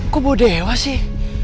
kok baru dewa sih